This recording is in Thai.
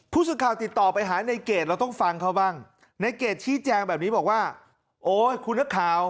ผู้สื่อข่าวติดต่อไปหาในเกรดเราต้องฟังเขาบ้างในเกรดชี้แจงแบบนี้บอกว่าโอ้ยคุณนักข่าว